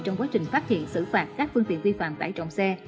trong quá trình phát hiện xử phạt các phương tiện vi phạm tải trọng xe